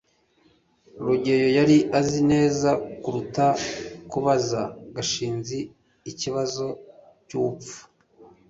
rugeyo yari azi neza kuruta kubaza gashinzi ikibazo cyubupfu